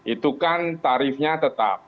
itu kan tarifnya tetap